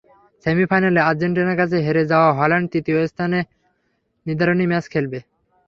সেমিফাইনালে আর্জেন্টিনার কাছে হেরে যাওয়া হল্যান্ড তৃতীয় স্থান নির্ধারণী ম্যাচ খেলবে।